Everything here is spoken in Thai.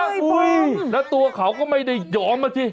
อุ้ยแล้วตัวเขาก็ไม่ได้ยอมอ่ะสิ